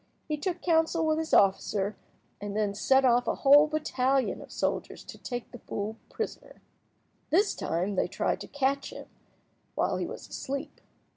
He took counsel with his officer, and then sent off a whole battalion of soldiers to take the fool prisoner. This time they tried to catch him while he was asleep.